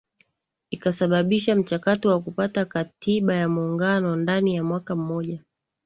Ikasababisha mchakato wa kupata Katiba ya Muungano ndani ya mwaka mmoja